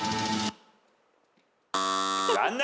残念！